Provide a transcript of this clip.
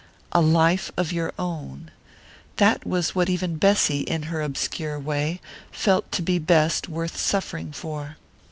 "A life of your own" that was what even Bessy, in her obscure way, felt to be best worth suffering for.